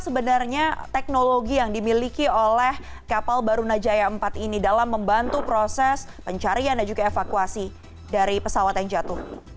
sebenarnya teknologi yang dimiliki oleh kapal barunajaya empat ini dalam membantu proses pencarian dan juga evakuasi dari pesawat yang jatuh